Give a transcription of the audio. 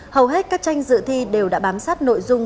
hầu hết các tranh dự thi đều đã bám sát nội dung